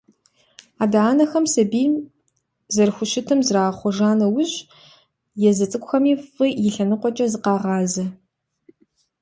Адэ-анэхэм сабийм зэрыхущытым зрагъэхъуэжа нэужь, езы цӀыкӀухэми фӀы и лъэныкъуэкӀэ зыкъагъазэ.